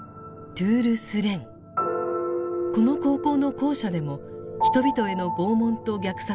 この高校の校舎でも人々への拷問と虐殺が行われていました。